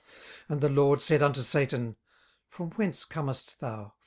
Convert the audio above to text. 18:002:002 And the LORD said unto Satan, From whence comest thou?